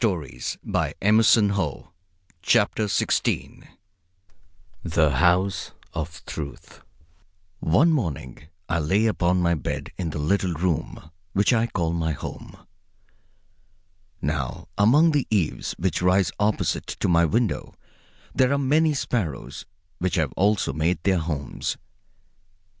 [Illustration: The House of Truth] THE HOUSE OF TRUTH One morning I lay upon my bed in the little room which I call my home. Now, among the eaves which rise opposite to my window there are many sparrows which have also made their homes.